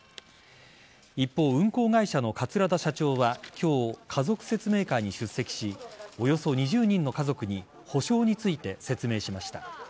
一方、運航会社の桂田社長は今日家族説明会に出席しおよそ２０人の家族に補償について説明しました。